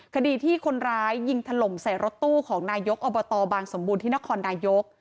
คดีที่คนร้ายยิงถล่มใส่รถตู้ของนายกอบตบางสมบูรณ์ที่นครนายก